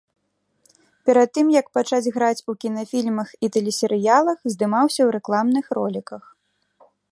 Перад тым як пачаць граць у кінафільмах і тэлесерыялах, здымаўся ў рэкламных роліках.